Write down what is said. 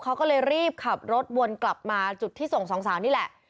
เขาก็เลยรีบขับรถวนกลับมาจุดที่ส่งสองสาวนี่แหละ